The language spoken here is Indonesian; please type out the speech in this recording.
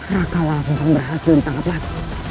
rakawa langsung berhasil ditangkap